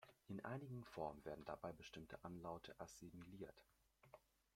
In einigen Formen werden dabei bestimmte Anlaute assimiliert.